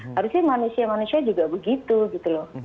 harusnya manusia manusia juga begitu gitu loh